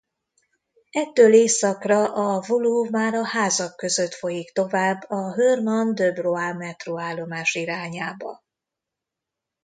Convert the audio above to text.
Ettől északra a Woluwe már a házak között folyik tovább a Herrmann-Debroux metróállomás irányába.